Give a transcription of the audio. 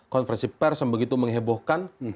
konversi pers yang begitu menghebohkan